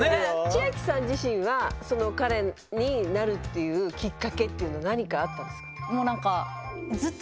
千明さん自身は彼になるっていうきっかけっていうのは何かあったんですか？